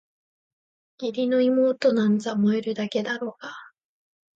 義理の妹なんざ萌えるだけだろうがあ！